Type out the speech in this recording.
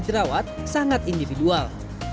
jerawat sangat individual